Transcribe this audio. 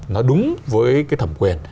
nó đúng với cái thẩm quyền